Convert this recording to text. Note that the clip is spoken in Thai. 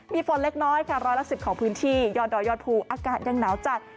มีฝนเล็กน้อยค่ะร้อยละ๑๐ของพื้นที่ยอดดอยยอดภูอากาศยังหนาวจัด